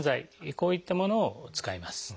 こういったものを使います。